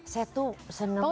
saya tuh seneng